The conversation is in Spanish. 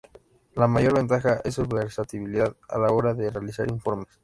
La mayor ventaja es su versatilidad a la hora de realizar informes.